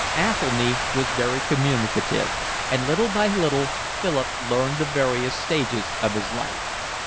Athelny was very communicative, and little by little Philip learned the various stages of his life.